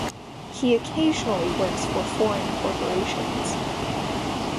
He occasionally works for foreign corporations.